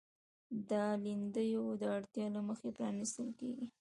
دا لیندیو د اړتیا له مخې پرانیستل کېږي.